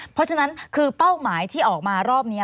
เพราะฉะนั้นคือเป้าหมายที่ออกมารอบนี้